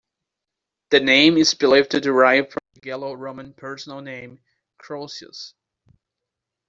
The name is believed to derive from the Gallo-Roman personal name "Crossius".